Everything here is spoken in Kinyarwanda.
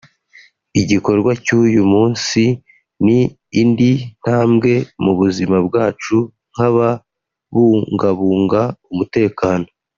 " Igikorwa cy’uyu munsi ni indi ntambwe mu buzima bwacu nk’ababungabunga umutekano